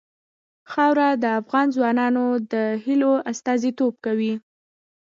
خاوره د افغان ځوانانو د هیلو استازیتوب کوي.